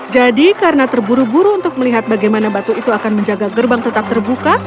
jadi karena terburu buru untuk melihat bagaimana batu itu akan menjaga gerbang tetap terbuka